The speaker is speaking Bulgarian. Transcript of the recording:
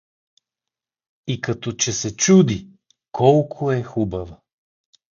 И като че се чуди: колко е хубава!